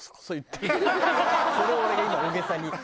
それを俺が今大げさに。